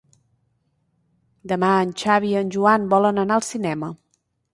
Demà en Xavi i en Joan volen anar al cinema.